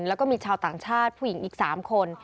แล้วก็มีชาวต่างชาติผู้หญิงอีก๓คน